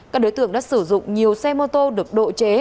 các đối tượng đã sử dụng nhiều xe mô tô được độ chế